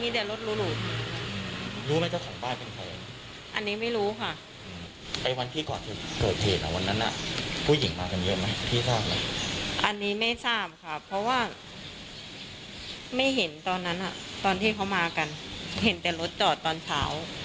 ตอนที่เขามากันเห็นแต่รถจอดตอนเช้า